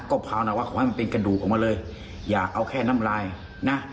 ก็ภาวนาวะขอให้มันเป็นกระดูกออกมาเลยอย่าเอาแค่น้ำลายนะ